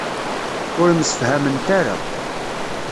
Ur msefhament ara.